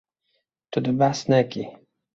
Tu dê behs nekî.